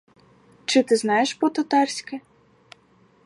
Чи ти знаєш по-татарськи?